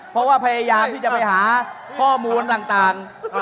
เพราะว่าพยายามที่จะไปหาข้อมูลต่าง